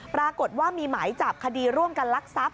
ปรากฏว่ามีหมายจับคดีร่วมกันลักทรัพย